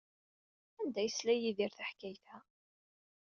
Anda ay yesla Yidri taḥkayt-a?